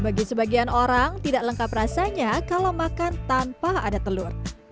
bagi sebagian orang tidak lengkap rasanya kalau makan tanpa ada telur